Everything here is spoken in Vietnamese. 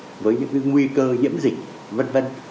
đối mặt với những cái nguy cơ nhiễm dịch v v